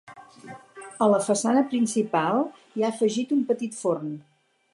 A la façana principal hi ha afegit un petit forn.